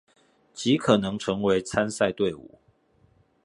極可能成為參賽隊伍